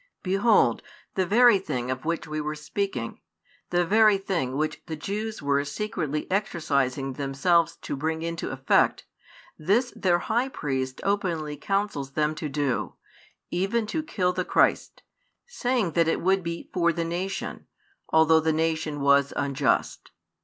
Behold, the very thing of which we were speaking, the very thing which the Jews were secretly exercising themselves to bring into effect, this their high priest openly counsels them to do, even to kill the Christ; saying that it would be for the nation, although the nation was unjust.